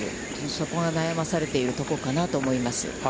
そこが悩まされているところかなと思います。